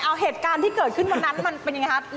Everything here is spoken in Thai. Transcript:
เอาเหตุการณ์ที่เกิดขึ้นวันนั้นมันเป็นยังไงครับ